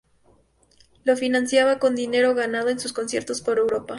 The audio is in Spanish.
Lo financiaba con dinero ganado en sus conciertos por Europa.